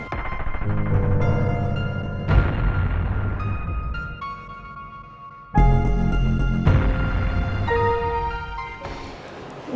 gak ada orang